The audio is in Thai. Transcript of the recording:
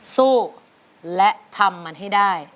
สู้และทำมันให้ได้